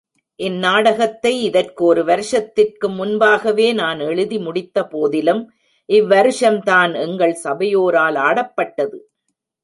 இந்நாடகத்தை இதற்கு ஒரு வருஷத்திற்கு முன்பாகவே நான் எழுதி முடித்தபோதிலும் இவ்வருஷம்தான் எங்கள் சபையோரால் ஆடப்பட்டது.